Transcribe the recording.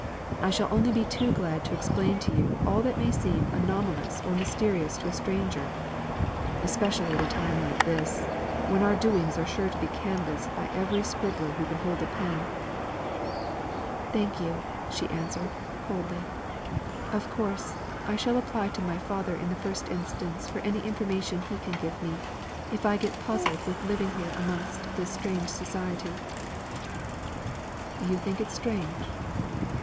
"I shall only be too glad to explain to you all that may seem anomalous or mysterious to a stranger; especially at a time like this, when our doings are sure to be canvassed by every scribbler who can hold a pen." "Thank you," she answered, coldly. "Of course, I shall apply to my father in the first instance for any information he can give me, if I get puzzled with living here amongst this strange society." "You think it strange.